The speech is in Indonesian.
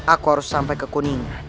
aku harus sampai ke kuningan